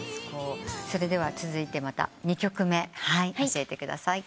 それでは続いて２曲目教えてください。